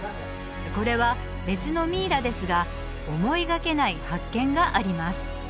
これは別のミイラですが思いがけない発見があります